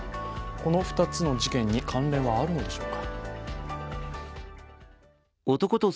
この２つの事件に関連はあるのでしょうか。